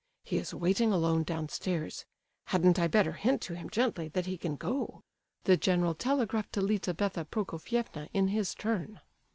He is waiting alone downstairs. Hadn't I better hint to him gently that he can go?" The general telegraphed to Lizabetha Prokofievna in his turn.